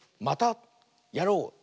「またやろう！」。